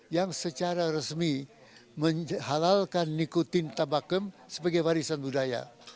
yang secara resmi menghalalkan nikotin tabakum sebagai warisan budaya